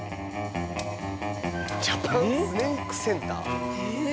ジャパン・スネークセンター。